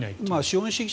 資本主義